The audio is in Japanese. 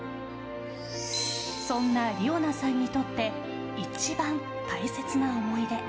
そんな梨生奈さんにとって一番大切な思い出。